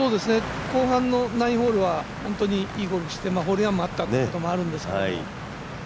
後半の９ホールは本当にいいゴルフをしてホールインワンもあったということもあるんですけど。